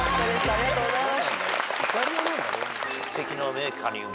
ありがとうございます。